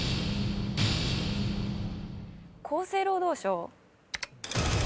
厚生労働省。